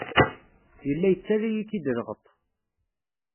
Yella yettaley-ik-id lɣeṭṭ.